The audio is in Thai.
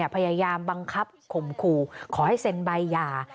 พยายามบังคับข่มขู่ขอให้เซ็นใบหย่า